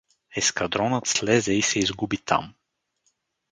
Ескадронът слезе и се изгуби там.